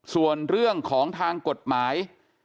ส่วนเรื่องของทางกฎหมาย